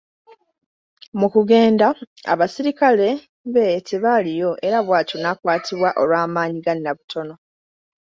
Mu kugenda, abaserikale be tebaaliyo era bw’atyo n’akwatibwa olw’amaanyi ga Nnabutono.